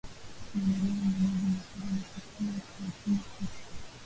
maendeleo endelevu ni suala la kukua kwa kila sekta